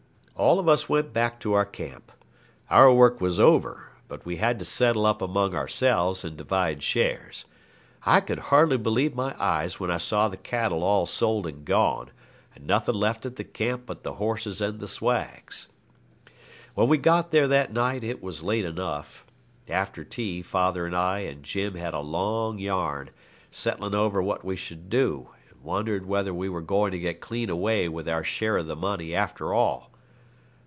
All of us went back to our camp. Our work was over, but we had to settle up among ourselves and divide shares. I could hardly believe my eyes when I saw the cattle all sold and gone, and nothing left at the camp but the horses and the swags. When we got there that night it was late enough. After tea father and I and Jim had a long yarn, settling over what we should do and wondering whether we were going to get clean away with our share of the money after all.